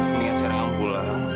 mendingan sekarang kamu pulang